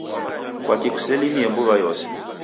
Kwaki kuselimie mbuw'a yose?